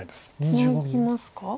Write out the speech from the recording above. ツナぎますか？